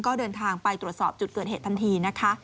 ก็เดินทางไปตรวจสอบจุดเกิดเหตุทันทีนะคะ